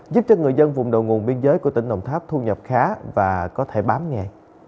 giúp cho người dân vùng đầu nguồn biên giới của tỉnh đồng tháp thu nhập khá và có thể bám nghề